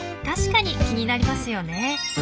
確かに気になりますよね。